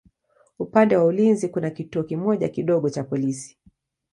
Upande wa ulinzi kuna kituo kimoja kidogo cha polisi.